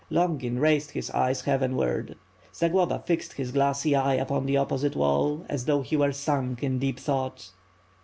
Longin raised his ^y{.'6 630 WITH FIRE AND SWORD. heavenward. Zagloba fixed his glassy eye upon the opposite wall, as though he were sunk in deep thought.